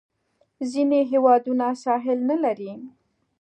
ځینې هیوادونه ساحل نه لري.